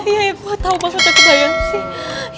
iya gue tau pasal teki daya sih